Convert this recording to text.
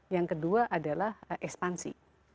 yang kedua adalah ekspansi